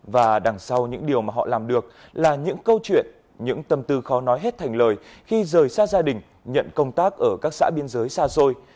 và đằng sau những điều mà họ làm được là những câu chuyện những tâm tư khó nói hết thành lời khi rời xa gia đình nhận công tác ở các xã biên giới xa xôi